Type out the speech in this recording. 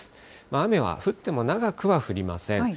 雨は降っても長くは降りません。